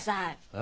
え？